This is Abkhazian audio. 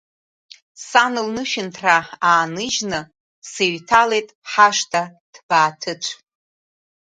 Сан лнышәынҭра ааныжьны, сыҩҭалеит ҳашҭа ҭбаа-ҭыцә.